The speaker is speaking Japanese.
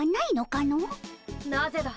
・なぜだ！